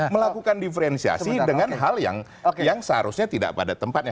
melakukan diferensiasi dengan hal yang seharusnya tidak pada tempatnya